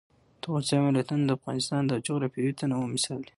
د افغانستان ولايتونه د افغانستان د جغرافیوي تنوع مثال دی.